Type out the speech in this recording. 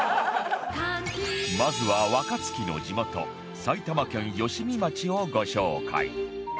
まずは若槻の地元埼玉県吉見町をご紹介